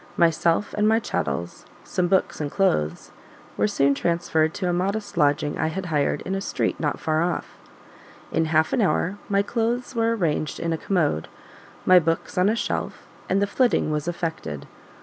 Myself and my chattels (some books and clothes) were soon transferred to a modest lodging I had hired in a street not far off. In half an hour my clothes were arranged in a commode, my books on a shelf, and the "flitting" was effected.